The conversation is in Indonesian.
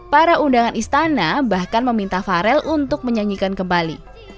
para undangan istana bahkan meminta farel untuk menyanyikan kembali